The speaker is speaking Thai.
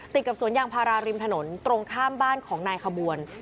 กับสวนยางพาราริมถนนตรงข้ามบ้านของนายขบวน